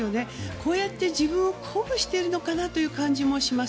こうやって自分を鼓舞しているのかなという感じもします。